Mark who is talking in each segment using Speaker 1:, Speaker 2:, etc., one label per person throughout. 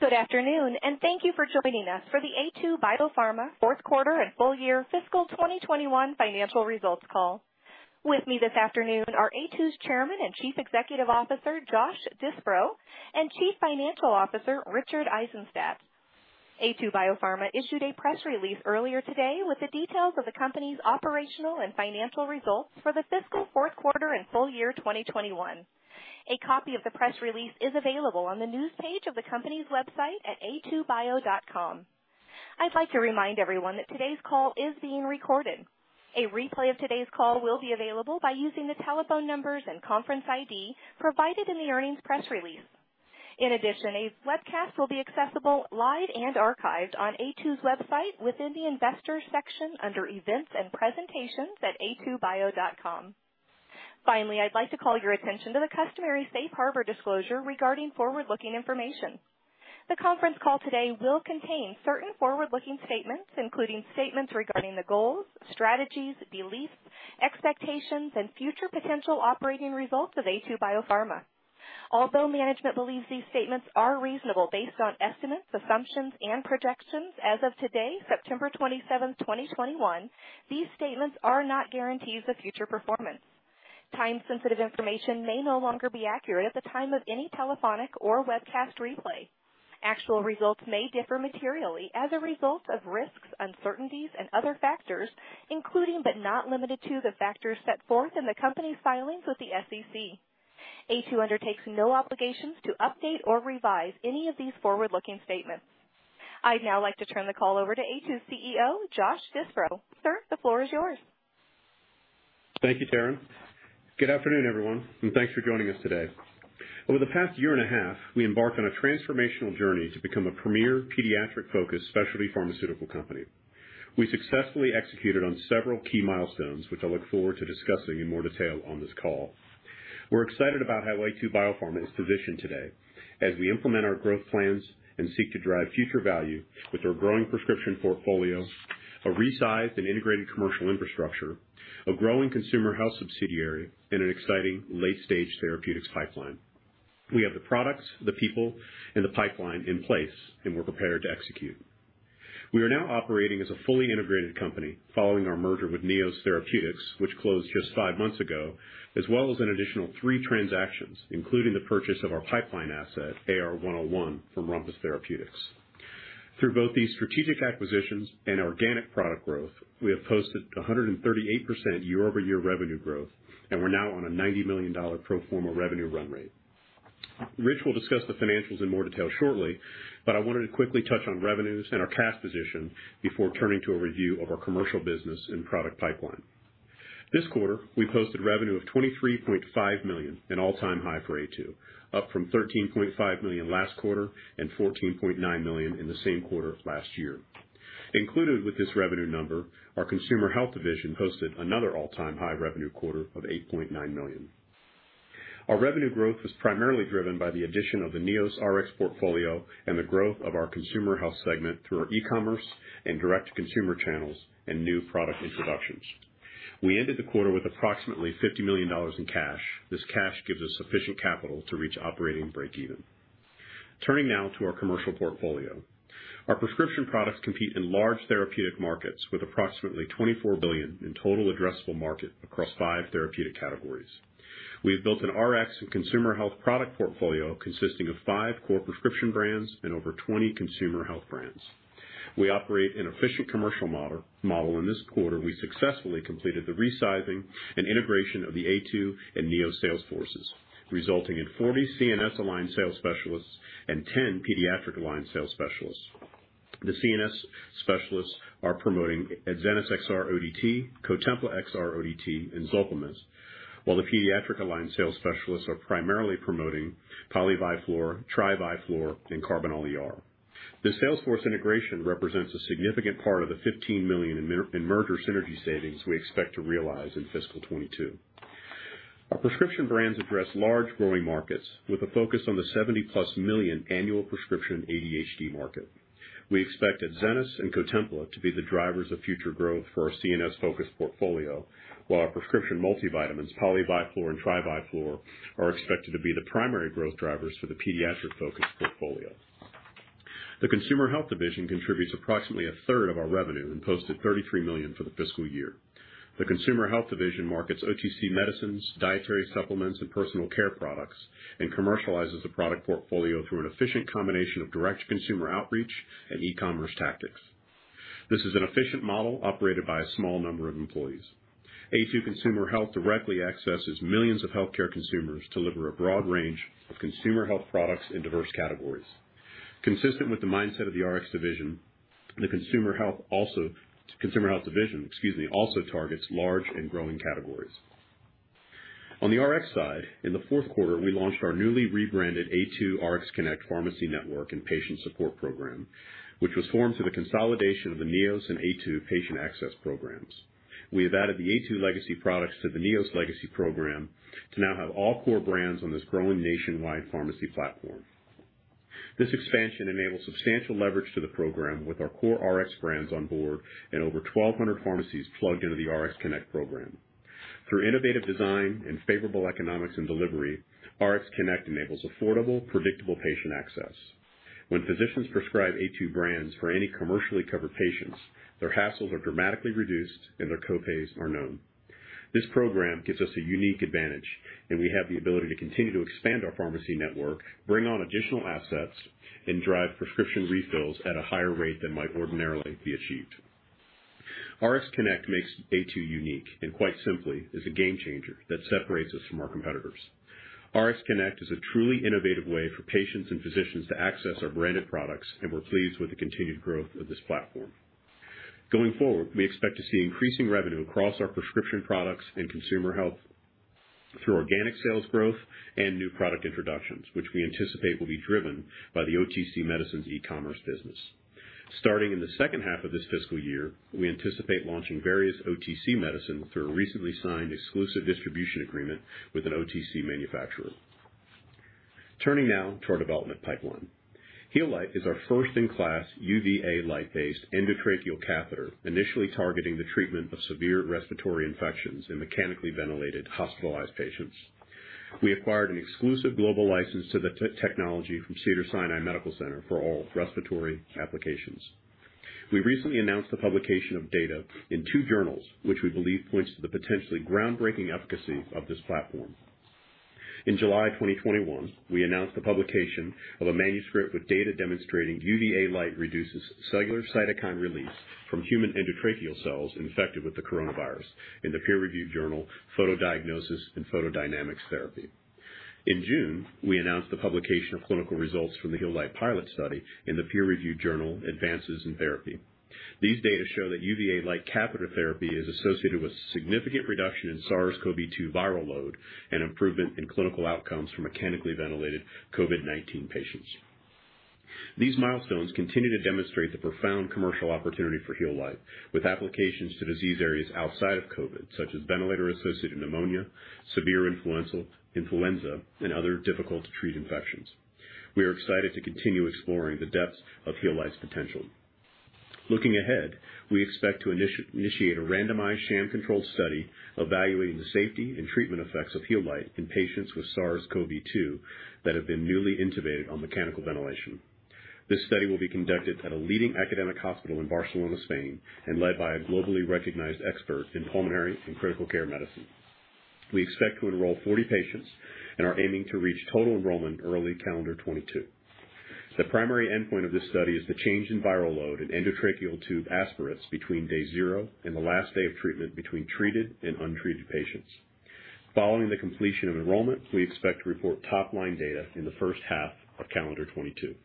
Speaker 1: Good afternoon, thank you for joining us for the Aytu BioPharma Fourth Quarter and Full Year Fiscal 2021 Financial Results Call. With me this afternoon are Aytu's Chairman and Chief Executive Officer, Josh Disbrow, and Chief Financial Officer, Richard Eisenstadt. Aytu BioPharma issued a press release earlier today with the details of the company's operational and financial results for the fiscal fourth quarter and full year 2021. A copy of the press release is available on the news page of the company's website at aytubio.com. I'd like to remind everyone that today's call is being recorded. A replay of today's call will be available by using the telephone numbers and conference ID provided in the earnings press release. A webcast will be accessible live and archived on Aytu's website within the Investors section under Events and Presentations at aytubio.com. Finally, I'd like to call your attention to the customary safe harbor disclosure regarding forward-looking information. The conference call today will contain certain forward-looking statements, including statements regarding the goals, strategies, beliefs, expectations, and future potential operating results of Aytu BioPharma. Although management believes these statements are reasonable based on estimates, assumptions, and projections as of today, September 27th, 2021, these statements are not guarantees of future performance. Time-sensitive information may no longer be accurate at the time of any telephonic or webcast replay. Actual results may differ materially as a result of risks, uncertainties, and other factors, including but not limited to the factors set forth in the company's filings with the SEC. Aytu undertakes no obligations to update or revise any of these forward-looking statements. I'd now like to turn the call over to Aytu's CEO, Josh Disbrow. Sir, the floor is yours.
Speaker 2: Thank you, Taryn. Good afternoon, everyone, and thanks for joining us today. Over the past year and a half, we embarked on a transformational journey to become a premier pediatric-focused specialty pharmaceutical company. We successfully executed on several key milestones, which I look forward to discussing in more detail on this call. We're excited about how Aytu BioPharma is positioned today as we implement our growth plans and seek to drive future value with our growing prescription portfolio, a resized and integrated commercial infrastructure, a growing consumer health subsidiary, and an exciting late-stage therapeutics pipeline. We have the products, the people, and the pipeline in place, and we're prepared to execute. We are now operating as a fully integrated company following our merger with Neos Therapeutics, which closed just five months ago, as well as an additional three transactions, including the purchase of our pipeline asset, AR101 from Rumpus Therapeutics. Through both these strategic acquisitions and organic product growth, we have posted 138% year-over-year revenue growth, and we're now on a $90 million pro forma revenue run rate. Richard will discuss the financials in more detail shortly. I wanted to quickly touch on revenues and our cash position before turning to a review of our commercial business and product pipeline. This quarter, we posted revenue of $23.5 million, an all-time high for Aytu, up from $13.5 million last quarter and $14.9 million in the same quarter of last year. Included with this revenue number, our Consumer Health Division posted another all-time high revenue quarter of $8.9 million. Our revenue growth was primarily driven by the addition of the Neos RX portfolio and the growth of our Consumer Health segment through our e-commerce and direct-to-consumer channels and new product introductions. We ended the quarter with approximately $50 million in cash. This cash gives us sufficient capital to reach operating breakeven. Turning now to our commercial portfolio. Our prescription products compete in large therapeutic markets with approximately $24 billion in total addressable market across five therapeutic categories. We have built an Rx and consumer health product portfolio consisting of five core prescription brands and over 20 consumer health brands. We operate an efficient commercial model. In this quarter, we successfully completed the resizing and integration of the Aytu and Neos sales forces, resulting in 40 CNS-aligned sales specialists and 10 pediatric-aligned sales specialists. The CNS specialists are promoting Adzenys XR-ODT, Cotempla XR-ODT, and ZolpiMist, while the pediatric-aligned sales specialists are primarily promoting Poly-Vi-Flor, Tri-Vi-Flor, and Karbinal ER. This sales force integration represents a significant part of the $15 million in merger synergy savings we expect to realize in fiscal 2022. Our prescription brands address large, growing markets with a focus on the 70+ million annual prescription ADHD market. We expect Adzenys and Cotempla to be the drivers of future growth for our CNS-focused portfolio, while our prescription multivitamins, Poly-Vi-Flor and Tri-Vi-Flor, are expected to be the primary growth drivers for the pediatric-focused portfolio. The Consumer Health Division contributes approximately a third of our revenue and posted $33 million for the fiscal year. The Consumer Health Division markets OTC medicines, dietary supplements, and personal care products, and commercializes the product portfolio through an efficient combination of direct consumer outreach and e-commerce tactics. This is an efficient model operated by a small number of employees. Aytu Consumer Health directly accesses millions of healthcare consumers to deliver a broad range of consumer health products in diverse categories. Consistent with the mindset of the RX division, the Consumer Health division also targets large and growing categories. On the RX side, in the fourth quarter, we launched our newly rebranded Aytu RxConnect Pharmacy Network and Patient Support Program, which was formed through the consolidation of the Neos and Aytu patient access programs. We have added the Aytu legacy products to the Neos legacy program to now have all core brands on this growing nationwide pharmacy platform. This expansion enables substantial leverage to the program with our core Rx brands on board and over 1,200 pharmacies plugged into the RxConnect program. Through innovative design and favorable economics and delivery, RxConnect enables affordable, predictable patient access. When physicians prescribe Aytu brands for any commercially covered patients, their hassles are dramatically reduced, and their co-pays are known. This program gives us a unique advantage, and we have the ability to continue to expand our pharmacy network, bring on additional assets, and drive prescription refills at a higher rate than might ordinarily be achieved. RxConnect makes Aytu unique and quite simply is a game changer that separates us from our competitors. RxConnect is a truly innovative way for patients and physicians to access our branded products, and we're pleased with the continued growth of this platform. Going forward, we expect to see increasing revenue across our prescription products and consumer health through organic sales growth and new product introductions, which we anticipate will be driven by the OTC medicines e-commerce business. Starting in the second half of this fiscal year, we anticipate launching various OTC medicine through a recently signed exclusive distribution agreement with an OTC manufacturer. Turning now to our development pipeline. Healight is our first-in-class UVA light-based endotracheal catheter, initially targeting the treatment of severe respiratory infections in mechanically ventilated hospitalized patients. We acquired an exclusive global license to the technology from Cedars-Sinai Medical Center for all respiratory applications. We recently announced the publication of data in two journals, which we believe points to the potentially groundbreaking efficacy of this platform. In July 2021, we announced the publication of a manuscript with data demonstrating UVA light reduces cellular cytokine release from human endotracheal cells infected with the coronavirus in the peer-reviewed journal, Photodiagnosis and Photodynamic Therapy. In June, we announced the publication of clinical results from the Healight pilot study in the peer-reviewed journal, Advances in Therapy. These data show that UVA light catheter therapy is associated with significant reduction in SARS-CoV-2 viral load and improvement in clinical outcomes for mechanically ventilated COVID-19 patients. These milestones continue to demonstrate the profound commercial opportunity for Healight, with applications to disease areas outside of COVID, such as ventilator-associated pneumonia, severe influenza, and other difficult-to-treat infections. We are excited to continue exploring the depths of Healight's potential. Looking ahead, we expect to initiate a randomized sham-controlled study evaluating the safety and treatment effects of Healight in patients with SARS-CoV-2 that have been newly intubated on mechanical ventilation. This study will be conducted at a leading academic hospital in Barcelona, Spain, and led by a globally recognized expert in pulmonary and critical care medicine. We expect to enroll 40 patients and are aiming to reach total enrollment early calendar 2022. The primary endpoint of this study is the change in viral load in endotracheal tube aspirates between day zero and the last day of treatment between treated and untreated patients. Following the completion of enrollment, we expect to report top-line data in the first half of calendar 2022.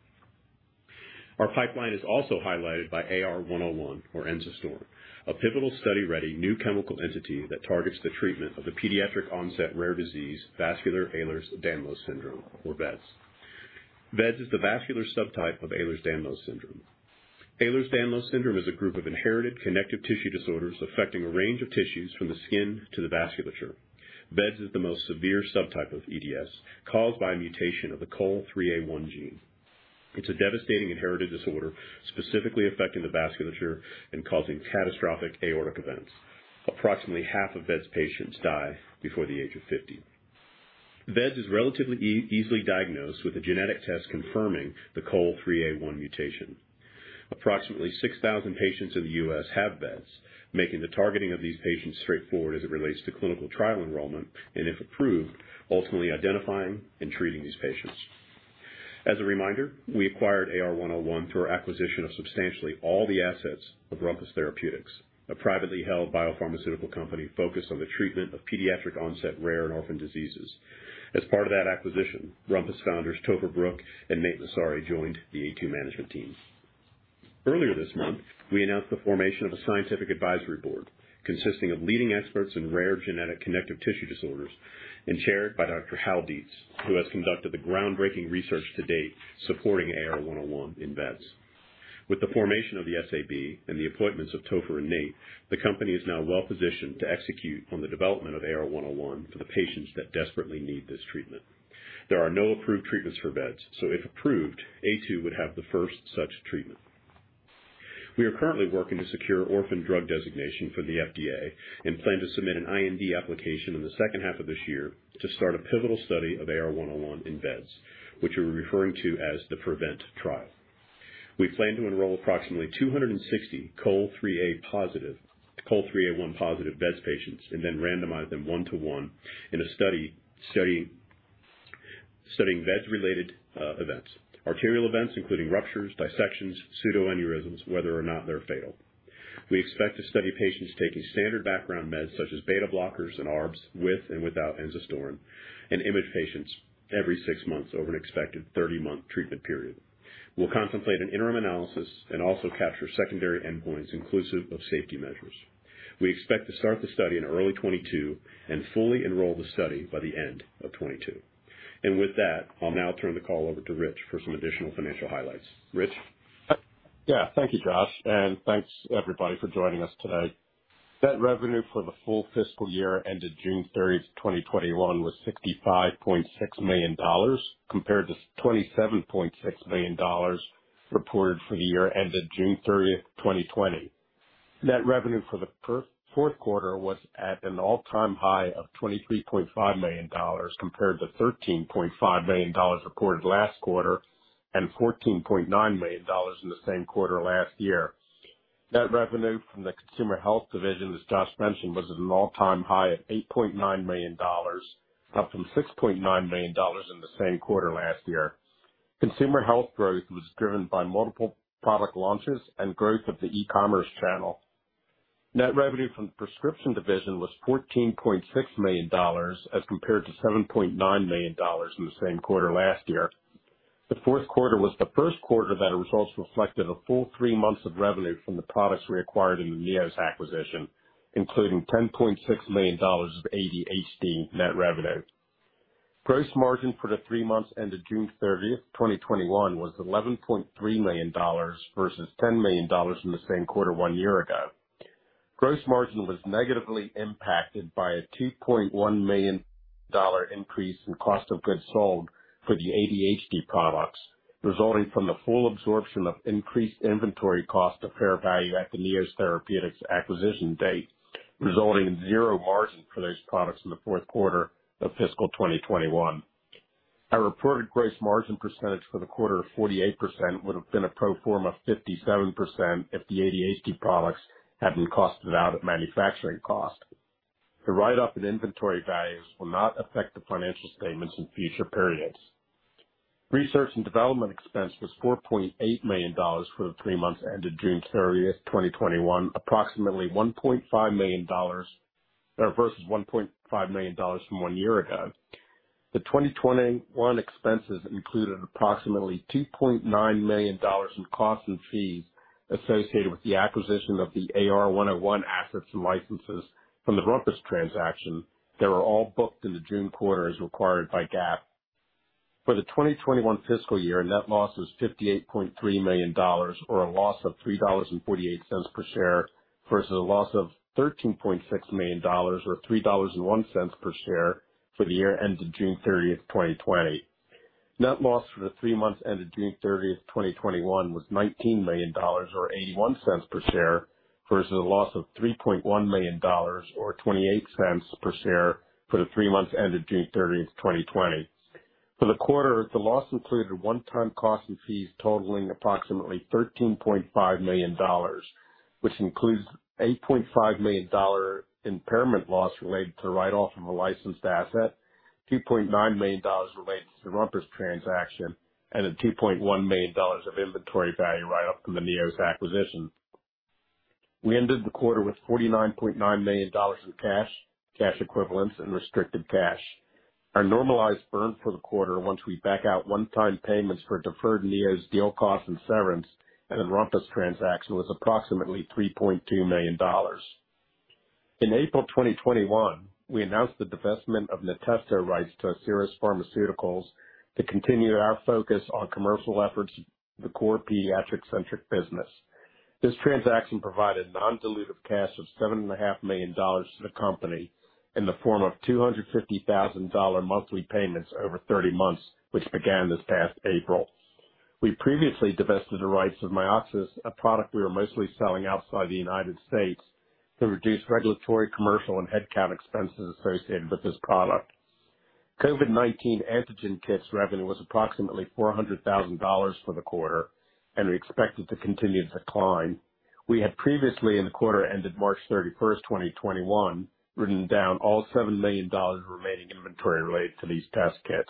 Speaker 2: Our pipeline is also highlighted by AR101 or enzastaurin, a pivotal study-ready new chemical entity that targets the treatment of the pediatric-onset rare disease, vascular Ehlers-Danlos syndrome or vEDS. vEDS is the vascular subtype of Ehlers-Danlos syndrome. Ehlers-Danlos syndrome is a group of inherited connective tissue disorders affecting a range of tissues from the skin to the vasculature. vEDS is the most severe subtype of EDS, caused by a mutation of the COL3A1 gene. It's a devastating inherited disorder, specifically affecting the vasculature and causing catastrophic aortic events. Approximately half of vEDS patients die before the age of 50. vEDS is relatively easily diagnosed with a genetic test confirming the COL3A1 mutation. Approximately 6,000 patients in the U.S. have vEDS, making the targeting of these patients straightforward as it relates to clinical trial enrollment, and if approved, ultimately identifying and treating these patients. As a reminder, we acquired AR101 through our acquisition of substantially all the assets of Rumpus Therapeutics, a privately held biopharmaceutical company focused on the treatment of pediatric-onset rare and orphan diseases. As part of that acquisition, Rumpus founders Topher Brooke and Nate Massari joined the Aytu management team. Earlier this month, we announced the formation of a scientific advisory board consisting of leading experts in rare genetic connective tissue disorders and chaired by Dr. Hal Dietz, who has conducted the groundbreaking research to date supporting AR101 in vEDS. With the formation of the SAB and the appointments of Topher and Nate, the company is now well-positioned to execute on the development of AR101 for the patients that desperately need this treatment. There are no approved treatments for vEDS, so if approved, Aytu would have the first such treatment. We are currently working to secure orphan drug designation from the FDA and plan to submit an IND application in the second half of this year to start a pivotal study of AR101 in vEDS, which we're referring to as the PREVEnt Trial. We plan to enroll approximately 260 COL3A1 positive vEDS patients and then randomize them one to one in a study studying vEDS-related events. Arterial events including ruptures, dissections, pseudoaneurysms, whether or not they're fatal. We expect to study patients taking standard background meds such as beta blockers and ARBs with and without enzastaurin and image patients every six months over an expected 30-month treatment period. We'll contemplate an interim analysis and also capture secondary endpoints inclusive of safety measures. We expect to start the study in early 2022 and fully enroll the study by the end of 2022. With that, I'll now turn the call over to Rich for some additional financial highlights. Rich?
Speaker 3: Yeah. Thank you, Josh, and thanks everybody for joining us today. Net revenue for the full fiscal year ended June 30th, 2021 was $65.6 million, compared to $27.6 million reported for the year ended June 30th, 2020. Net revenue for the fourth quarter was at an all-time high of $23.5 million, compared to $13.5 million reported last quarter and $14.9 million in the same quarter last year. Net revenue from the consumer health division, as Josh mentioned, was at an all-time high of $8.9 million, up from $6.9 million in the same quarter last year. Consumer health growth was driven by multiple product launches and growth of the e-commerce channel. Net revenue from prescription division was $14.6 million as compared to $7.9 million in the same quarter last year. The fourth quarter was the first quarter that results reflected a full three months of revenue from the products we acquired in the Neos acquisition, including $10.6 million of ADHD net revenue. Gross margin for the three months ended June 30, 2021 was $11.3 million versus $10 million in the same quarter one year ago. Gross margin was negatively impacted by a $2.1 million increase in cost of goods sold for the ADHD products, resulting from the full absorption of increased inventory cost of fair value at the Neos Therapeutics acquisition date, resulting in zero margin for those products in the fourth quarter of fiscal 2021. Our reported gross margin percentage for the quarter of 48% would've been a pro forma of 57% if the ADHD products had been costed out at manufacturing cost. The write-off in inventory values will not affect the financial statements in future periods. Research and development expense was $4.8 million for the three months ended June 30th, 2021, versus $1.5 million from one year ago. The 2021 expenses included approximately $2.9 million in costs and fees associated with the acquisition of the AR101 assets and licenses from the Rumpus transaction that were all booked in the June quarter as required by GAAP. For the 2021 fiscal year, net loss was $58.3 million or a loss of $3.48 per share versus a loss of $13.6 million or $3.01 per share for the year ended June 30th, 2020. Net loss for the three months ended June 30th, 2021 was $19 million or $0.81 per share, versus a loss of $3.1 million or $0.28 per share for the three months ended June 30th, 2020. For the quarter, the loss included one-time costs and fees totaling approximately $13.5 million, which includes $8.5 million impairment loss related to the write-off of a licensed asset, $2.9 million related to the Rumpus transaction, and then $2.1 million of inventory value write-off from the Neos acquisition. We ended the quarter with $49.9 million in cash equivalents, and restricted cash. Our normalized burn for the quarter, once we back out one-time payments for deferred Neos deal costs and severance and the Rumpus transaction, was approximately $3.2 million. In April 2021, we announced the divestment of Natesto rights to Acerus Pharmaceuticals to continue our focus on commercial efforts in the core pediatric-centric business. This transaction provided non-dilutive cash of $7.5 million to the company in the form of $250,000 monthly payments over 30 months, which began this past April. We previously divested the rights of MiOXSYS, a product we were mostly selling outside the United States to reduce regulatory, commercial, and headcount expenses associated with this product. COVID-19 antigen kits revenue was approximately $400,000 for the quarter and we expect it to continue to decline. We had previously, in the quarter ended March 31st, 2021, written down all $7 million of remaining inventory related to these test kits.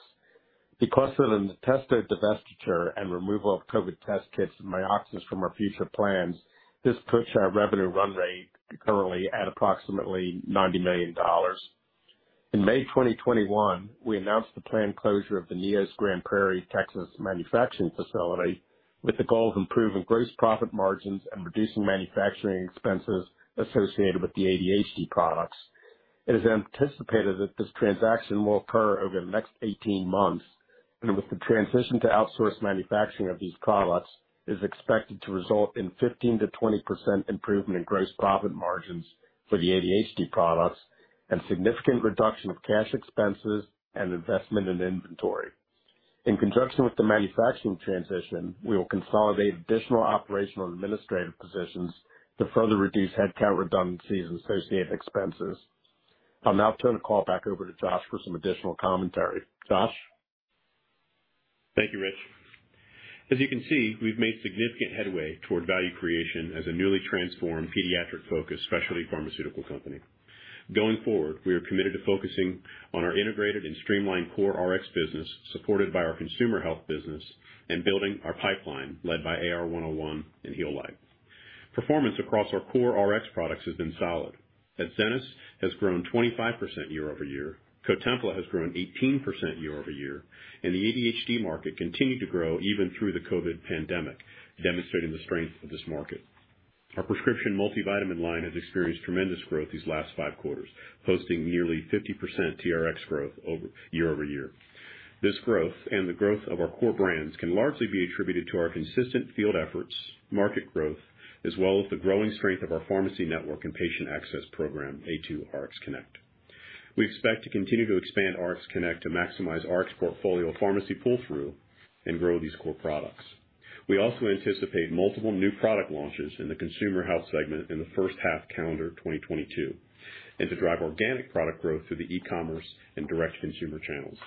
Speaker 3: Because of the Natesto divestiture and removal of COVID test kits and MiOXSYS from our future plans, this puts our revenue run rate currently at approximately $90 million. In May 2021, we announced the planned closure of the Neos Grand Prairie, Texas, manufacturing facility with the goal of improving gross profit margins and reducing manufacturing expenses associated with the ADHD products. It is anticipated that this transaction will occur over the next 18 months, and with the transition to outsourced manufacturing of these products, is expected to result in 15%-20% improvement in gross profit margins for the ADHD products and significant reduction of cash expenses and investment in inventory. In conjunction with the manufacturing transition, we will consolidate additional operational administrative positions to further reduce headcount redundancies and associated expenses. I'll now turn the call back over to Josh for some additional commentary. Josh?
Speaker 2: Thank you, Rich. As you can see, we've made significant headway toward value creation as a newly transformed pediatric-focused specialty pharmaceutical company. Going forward, we are committed to focusing on our integrated and streamlined core Rx business, supported by our consumer health business and building our pipeline led by AR101 and Healight. Performance across our core Rx products has been solid. Adzenys has grown 25% year-over-year, Cotempla has grown 18% year-over-year, and the ADHD market continued to grow even through the COVID pandemic, demonstrating the strength of this market. Our prescription multivitamin line has experienced tremendous growth these last five quarters, posting nearly 50% TRx growth year-over-year. This growth and the growth of our core brands can largely be attributed to our consistent field efforts, market growth, as well as the growing strength of our pharmacy network and patient access program, Aytu RxConnect. We expect to continue to expand RxConnect to maximize Rx portfolio pharmacy pull-through and grow these core products. We also anticipate multiple new product launches in the consumer health segment in the first half calendar 2022, and to drive organic product growth through the e-commerce and direct-to-consumer channels.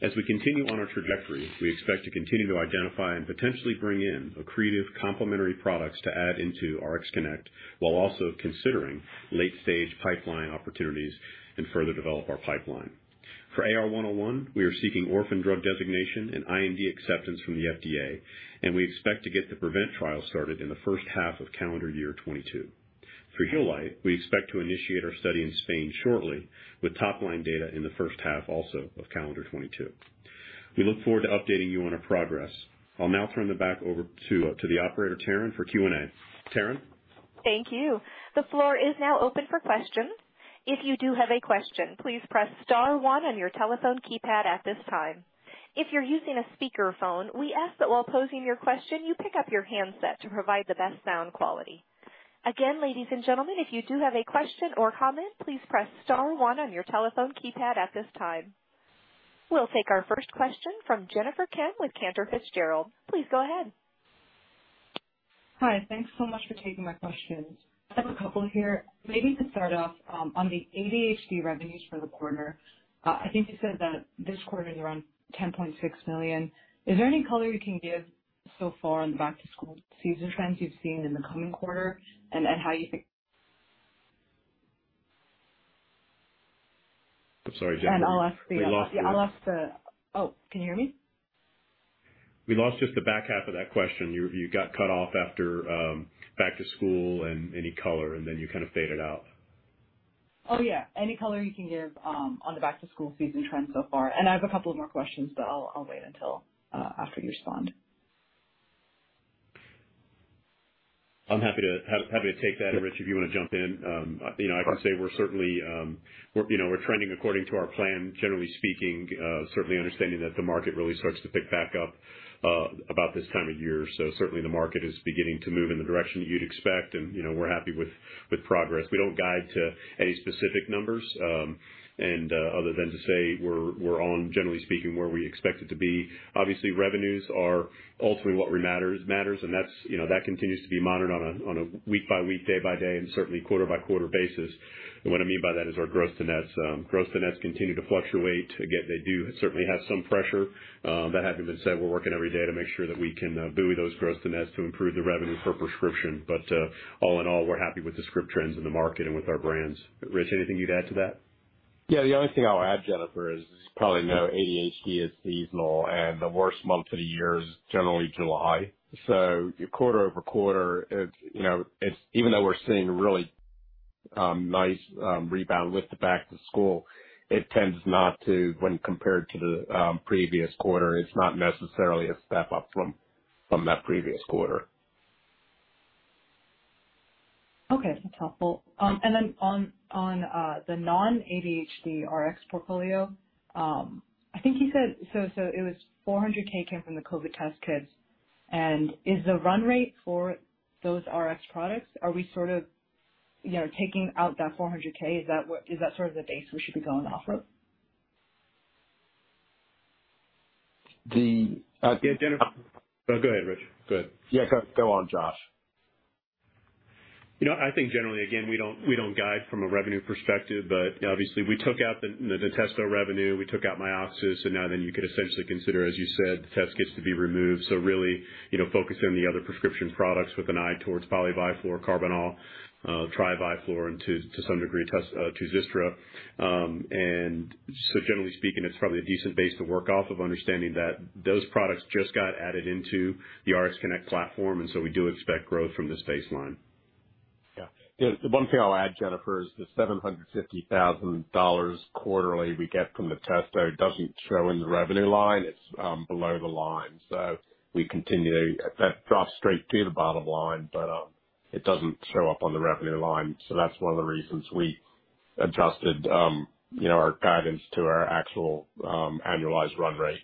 Speaker 2: As we continue on our trajectory, we expect to continue to identify and potentially bring in accretive complementary products to add into RxConnect while also considering late-stage pipeline opportunities and further develop our pipeline. For AR101, we are seeking orphan drug designation and IND acceptance from the FDA, and we expect to get the PREVEnt Trial started in the first half of calendar year 2022. For Healight, we expect to initiate our study in Spain shortly with top-line data in the first half also of calendar 2022. We look forward to updating you on our progress. I'll now turn it back over to the operator, Taryn, for Q&A. Taryn?
Speaker 1: Thank you. The floor is now open for questions. If you do have a question, please press star one on your telephone keypad at this time. If you're using a speakerphone, we ask that while posing your question, you pick up your handset to provide the best sound quality. Again, ladies and gentlemen, if you do have a question or comment, please press star one on your telephone keypad at this time. We'll take our first question from Jennifer Kim with Cantor Fitzgerald. Please go ahead.
Speaker 4: Hi. Thanks so much for taking my questions. I have a couple here. Maybe to start off, on the ADHD revenues for the quarter, I think you said that this quarter you're on $10.6 million. Is there any color you can give so far on the back-to-school season trends you've seen in the coming quarter?
Speaker 2: I'm sorry, Jennifer.
Speaker 4: And I'll ask the-
Speaker 2: We lost you.
Speaker 4: Yeah. Oh, can you hear me?
Speaker 2: We lost just the back half of that question. You got cut off after, back to school and any color, and then you kind of faded out.
Speaker 4: Oh, yeah. Any color you can give on the back-to-school season trends so far. I have a couple of more questions, but I'll wait until after you respond.
Speaker 2: I'm happy to take that. Richard, if you want to jump in. I can say we're certainly trending according to our plan, generally speaking. Certainly understanding that the market really starts to pick back up about this time of year. Certainly the market is beginning to move in the direction you'd expect, and we're happy with progress. We don't guide to any specific numbers other than to say we're on, generally speaking, where we expect it to be. Obviously, revenues are ultimately what matters, and that continues to be monitored on a week-by-week, day-by-day, and certainly quarter-by-quarter basis. What I mean by that is our gross to nets. Gross to nets continue to fluctuate. Again, they do certainly have some pressure. That having been said, we're working every day to make sure that we can buoy those gross to nets to improve the revenue per prescription. All in all, we're happy with the script trends in the market and with our brands. Rich, anything you'd add to that?
Speaker 3: Yeah. The only thing I'll add, Jennifer, as you probably know, ADHD is seasonal, and the worst month of the year is generally July. Quarter-over-quarter, even though we're seeing really nice rebound with the back to school, when compared to the previous quarter, it's not necessarily a step up from that previous quarter.
Speaker 4: Okay. That's helpful. Then on the non-ADHD Rx portfolio, I think you said it was $400,000 from the COVID test kits. Is the run rate for those Rx products, are we sort of taking out that $400,000? Is that sort of the base we should be going off of?
Speaker 3: The-
Speaker 2: Yeah. Jennifer No, go ahead, Rich. Go ahead.
Speaker 3: Yeah. Go on, Josh.
Speaker 2: I think generally, again, we don't guide from a revenue perspective. Obviously we took out the Natesto revenue, we took out MiOXSYS. You could essentially consider, as you said, the test kits to be removed. Really focusing on the other prescription products with an eye towards Poly-Vi-Flor, Karbinal ER, Tri-Vi-Flor, and to some degree, Tuzistra. Generally speaking, it's probably a decent base to work off of understanding that those products just got added into the RxConnect platform. We do expect growth from this baseline.
Speaker 3: The one thing I'll add, Jennifer, is the $750,000 quarterly we get from Natesto doesn't show in the revenue line. It's below the line. That drops straight to the bottom line, but it doesn't show up on the revenue line. That's one of the reasons we adjusted our guidance to our actual annualized run rate.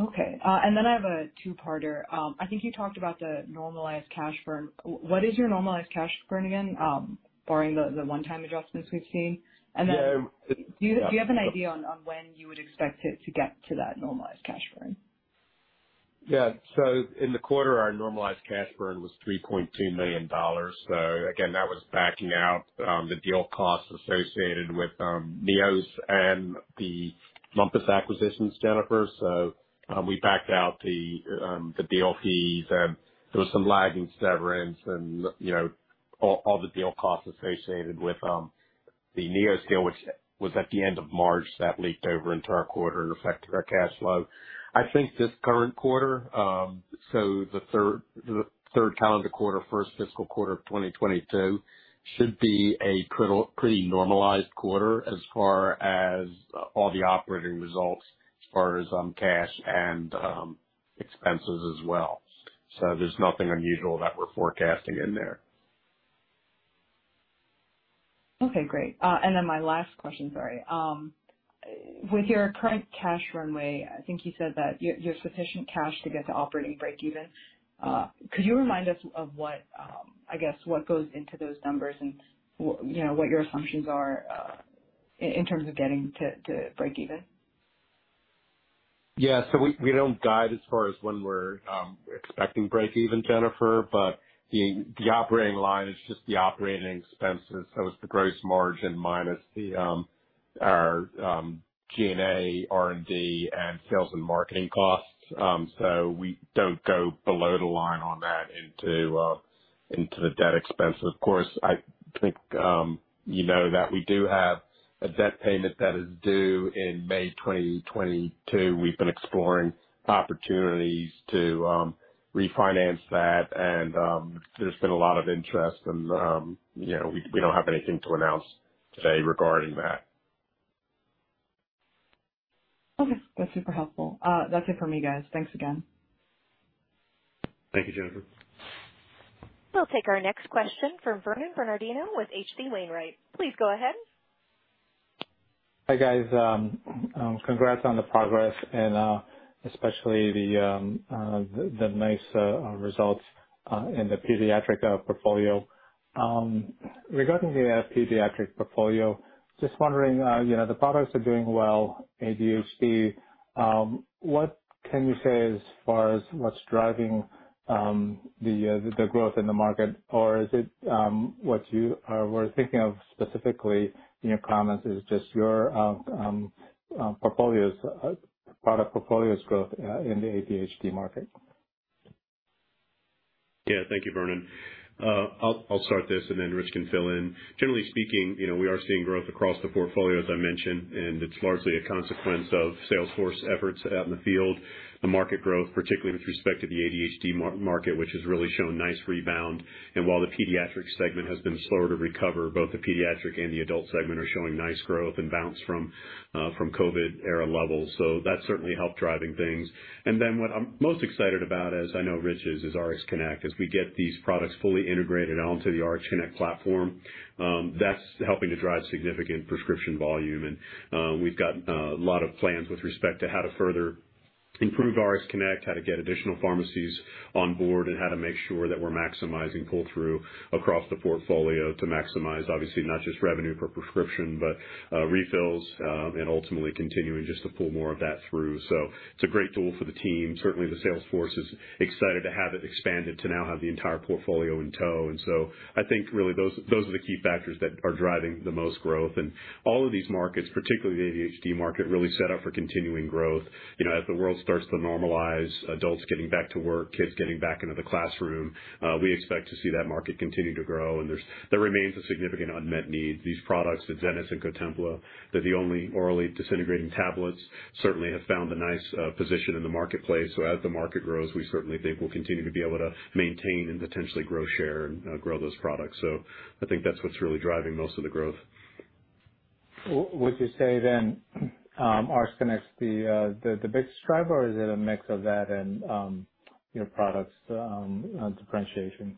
Speaker 4: Okay. I have a two-parter. I think you talked about the normalized cash burn. What is your normalized cash burn again, barring the one-time adjustments we've seen?
Speaker 3: Yeah.
Speaker 4: Do you have an idea on when you would expect it to get to that normalized cash burn?
Speaker 3: Yeah. In the quarter, our normalized cash burn was $3.2 million. Again, that was backing out the deal costs associated with Neos and the Rumpus acquisitions, Jennifer. We backed out the deal fees, and there was some lagging severance and all the deal costs associated with the Neos deal, which was at the end of March, that leaked over into our quarter and affected our cash flow. I think this current quarter, so the third calendar quarter, first fiscal quarter of 2022 should be a pretty normalized quarter as far as all the operating results, as far as cash and expenses as well. There's nothing unusual that we're forecasting in there.
Speaker 4: Okay, great. My last question, sorry. With your current cash runway, I think you said that you have sufficient cash to get to operating breakeven. Could you remind us of what goes into those numbers and what your assumptions are in terms of getting to breakeven?
Speaker 2: Yeah. We don't guide as far as when we're expecting breakeven, Jennifer, but the operating line is just the operating expenses. It's the gross margin minus our G&A, R&D, and sales and marketing costs. We don't go below the line on that into the debt expense. Of course, I think you know that we do have a debt payment that is due in May 2022. We've been exploring opportunities to refinance that, and there's been a lot of interest. We don't have anything to announce today regarding that.
Speaker 4: Okay. That's super helpful. That's it for me, guys. Thanks again.
Speaker 2: Thank you, Jennifer.
Speaker 1: We'll take our next question from Vernon Bernardino with H.C. Wainwright. Please go ahead.
Speaker 5: Hi, guys. Congrats on the progress and especially the nice results in the pediatric portfolio. Regarding the pediatric portfolio, just wondering, the products are doing well, ADHD. What can you say as far as what's driving the growth in the market? Or is it what you were thinking of specifically in your comments is just your product portfolio's growth in the ADHD market?
Speaker 2: Thank you, Vernon. I'll start this and then Rich can fill in. Generally speaking, we are seeing growth across the portfolio, as I mentioned, it's largely a consequence of sales force efforts out in the field, the market growth, particularly with respect to the ADHD market, which has really shown nice rebound. While the pediatric segment has been slower to recover, both the pediatric and the adult segment are showing nice growth and bounce from COVID era levels. That certainly helped driving things. Then what I'm most excited about, as I know Rich is RxConnect. As we get these products fully integrated onto the RxConnect platform, that's helping to drive significant prescription volume. We've got a lot of plans with respect to how to further improve RxConnect, how to get additional pharmacies on board, and how to make sure that we're maximizing pull-through across the portfolio to maximize, obviously, not just revenue per prescription, but refills, and ultimately continuing just to pull more of that through. It's a great tool for the team. Certainly, the sales force is excited to have it expanded to now have the entire portfolio in tow. I think really those are the key factors that are driving the most growth. All of these markets, particularly the ADHD market, really set up for continuing growth. As the world starts to normalize, adults getting back to work, kids getting back into the classroom, we expect to see that market continue to grow, and there remains a significant unmet need. These products, Adzenys and Cotempla, they're the only orally disintegrating tablets, certainly have found a nice position in the marketplace. As the market grows, we certainly think we'll continue to be able to maintain and potentially grow share and grow those products. I think that's what's really driving most of the growth.
Speaker 5: Would you say then RxConnect's the biggest driver, or is it a mix of that and your products differentiation?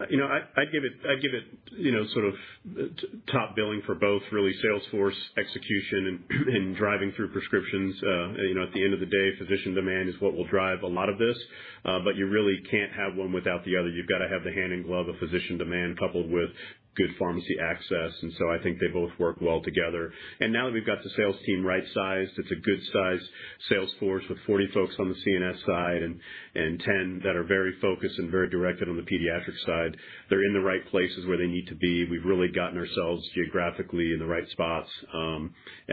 Speaker 2: I'd give it top billing for both really sales force execution and driving through prescriptions. At the end of the day, physician demand is what will drive a lot of this. You really can't have one without the other. You've got to have the hand in glove of physician demand coupled with good pharmacy access. I think they both work well together. Now that we've got the sales team right-sized, it's a good size sales force with 40 folks on the CNS side and 10 that are very focused and very directed on the pediatric side. They're in the right places where they need to be. We've really gotten ourselves geographically in the right spots.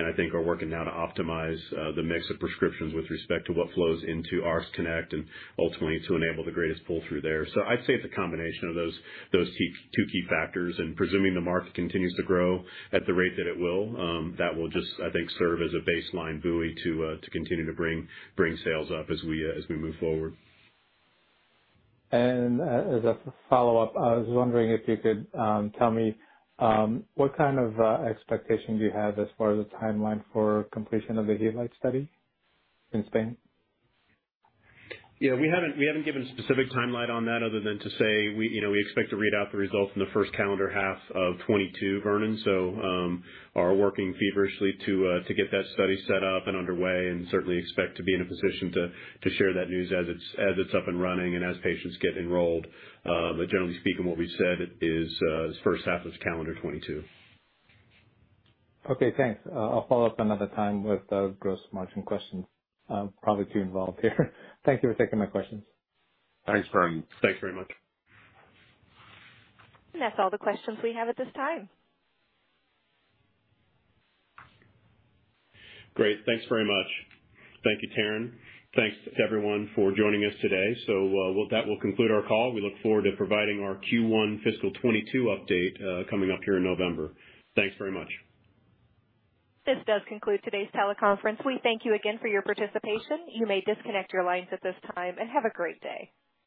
Speaker 2: I think are working now to optimize the mix of prescriptions with respect to what flows into RxConnect and ultimately to enable the greatest pull-through there. I'd say it's a combination of those two key factors, and presuming the market continues to grow at the rate that it will, that will just, I think, serve as a baseline buoy to continue to bring sales up as we move forward.
Speaker 5: As a follow-up, I was wondering if you could tell me what kind of expectation you have as far as the timeline for completion of the Healight study in Spain?
Speaker 2: Yeah. We haven't given a specific timeline on that other than to say we expect to read out the results in the first calendar half of 2022, Vernon. We are working feverishly to get that study set up and underway, and certainly expect to be in a position to share that news as it's up and running and as patients get enrolled. Generally speaking, what we've said is first half of calendar 2022.
Speaker 5: Okay, thanks. I'll follow up another time with the gross margin question. Probably too involved here. Thank you for taking my questions.
Speaker 2: Thanks, Vernon. Thanks very much.
Speaker 1: That's all the questions we have at this time.
Speaker 2: Great. Thanks very much. Thank you, Taryn. Thanks to everyone for joining us today. That will conclude our call. We look forward to providing our Q1 fiscal 2022 update coming up here in November. Thanks very much.
Speaker 1: This does conclude today's teleconference. We thank you again for your participation. You may disconnect your lines at this time. Have a great day.